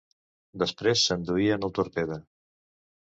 Després s'enduien el torpede.